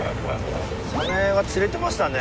サメが釣れてましたね。